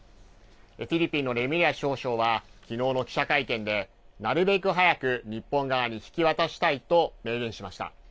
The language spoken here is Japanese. フィリピンのレムリア司法相はきのうの記者会見で、なるべく早く日本側に引き渡したいと明言しました。